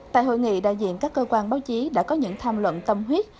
tại hội nghị đại diện các cơ quan báo chí đã có những tham luận tâm huyết